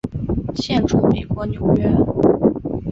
现住美国纽约。